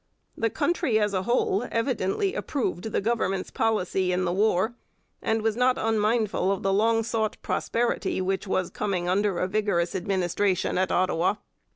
The country as a whole evidently approved the Government's policy in the war, and was not unmindful of the long sought prosperity which was coming under a vigorous administration at Ottawa.